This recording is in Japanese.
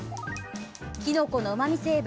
きのこのうまみ成分